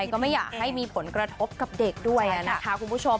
ก็ไม่อยากให้มีผลกระทบกับเด็กด้วยนะคะคุณผู้ชม